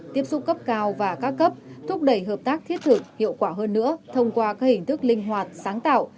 tiếp xúc cấp cao và các cấp thúc đẩy hợp tác thiết thực hiệu quả hơn nữa thông qua các hình thức linh hoạt sáng tạo